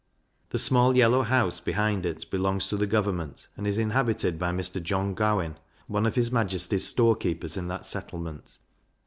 The small yellow house behind it belongs to government, and is inhabited by Mr. John Gowen, one of his majesty's store keepers in that settlement.